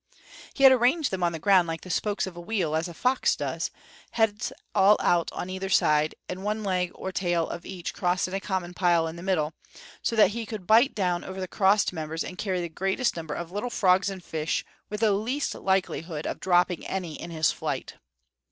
He had arranged them on the ground like the spokes of a wheel, as a fox does, heads all out on either side, and one leg or the tail of each crossed in a common pile in the middle; so that he could bite down over the crossed members and carry the greatest number of little frogs and fish with the least likelihood of dropping any in his flight.